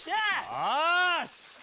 よし！